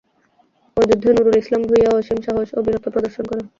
ওই যুদ্ধে নূরুল ইসলাম ভূঁইয়া অসীম সাহস ও বীরত্ব প্রদর্শন করেন।